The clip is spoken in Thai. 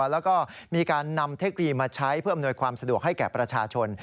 แล้วก็มีการนำเทคโนโลยีมาใช้เพื่ออำนวยความสะดวกให้แก่ประชาชน